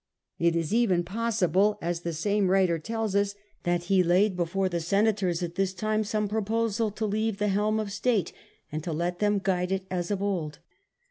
It is even possible, as the same writer tells us, The proposal before the Senators at this time to resign. some proposul to leave the helm of state and let them guide it as of old.